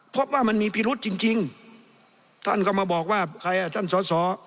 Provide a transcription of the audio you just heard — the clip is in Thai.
พบว่ามันมีพิรุษจริงจริงท่านก็มาบอกว่าใครอ่ะท่านสอสอ